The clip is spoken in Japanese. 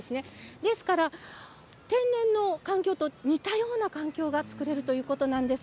ですから天然の環境と似たような環境が作れるということなんです。